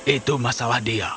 itu masalah dia